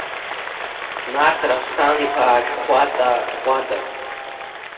Нарҭ Раԥсҭан-иԥа Ашәхәаҵаа Ӷәада.